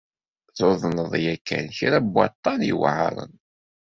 Tuḍneḍ yakan kra n waṭṭan yuɛren?